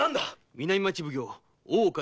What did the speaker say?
南町奉行・大岡